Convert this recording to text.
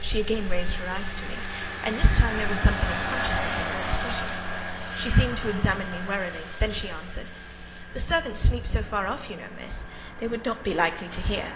She again raised her eyes to me, and this time there was something of consciousness in their expression. She seemed to examine me warily; then she answered— "The servants sleep so far off, you know, Miss, they would not be likely to hear.